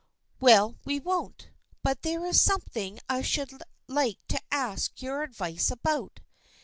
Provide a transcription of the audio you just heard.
" Well, we won't. But there is something I should like to ask your advice about.